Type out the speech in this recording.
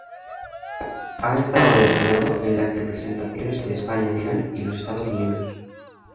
Ha estado destinado en las representaciones de España en Irán y los Estados Unidos.